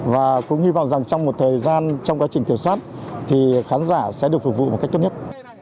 và cũng hy vọng rằng trong một thời gian trong quá trình kiểm soát thì khán giả sẽ được phục vụ một cách tốt nhất